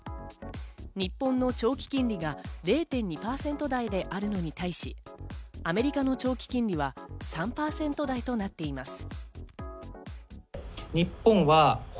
日本の長期金利が０．２％台であるのに対し、アメリカの長期金利は３％台となっています。